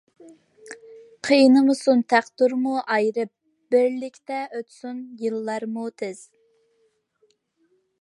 قىينىمىسۇن تەقدىرمۇ ئايرىپ، بىرلىكتە ئۆتسۇن يىللارمۇ تىز.